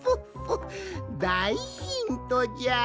だいヒントじゃ！